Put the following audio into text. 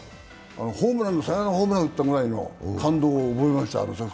サヨナラホームランを打ったくらいの感動を覚えました。